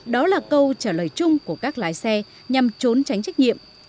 đó là câu trả lời chung của các lái xe nhằm trốn tránh trách nhiệm